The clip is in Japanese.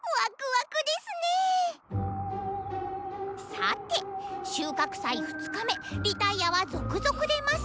「さて収穫祭２日目リタイアは続々出ます！